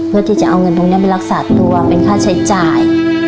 เพื่อที่จะเอาเงินตรงนี้ไปรักษาตัวเป็นค่าใช้จ่าย